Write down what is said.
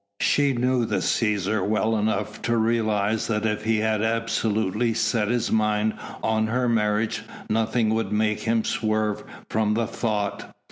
She knew the Cæsar well enough to realise that if he had absolutely set his mind on her marriage nothing would make him swerve from the thought.